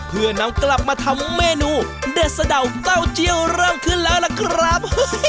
เพื่อนำกลับมาทำเมนูเด็ดสะดาวเต้าเจียวเริ่มขึ้นแล้วล่ะครับ